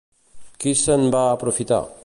Qui se'n va aprofitar?